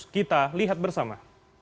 kita lihat bersama